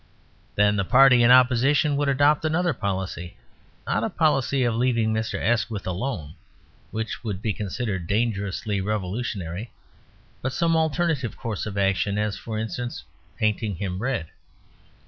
Then the party in opposition would adopt another policy, not a policy of leaving Mr. Asquith alone (which would be considered dangerously revolutionary), but some alternative course of action, as, for instance, painting him red.